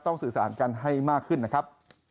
สื่อสารกันให้มากขึ้นนะครับ